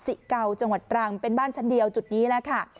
เก่าจังหวัดตรังเป็นบ้านชั้นเดียวจุดนี้แล้วค่ะ